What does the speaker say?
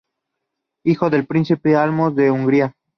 Hijo del príncipe Álmos de Hungría.